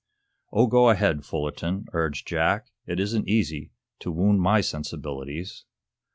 "Oh, go ahead, Fullerton," urged Jack. "It isn't easy to wound my sensibilities."